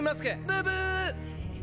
ブブーッ！